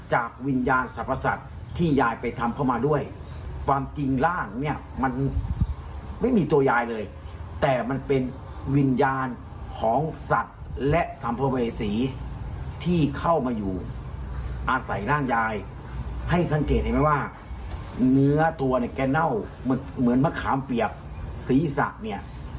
ให้สังเกตไหมว่าเนื้อตัวเนี่ยแก่เน่าเหมือนมะขามเปียบสีสักเนี่ย